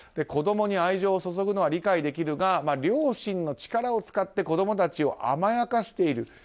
子供に愛情を注ぐのは理解できるが、両親の力を使って子供たちを甘やかしている。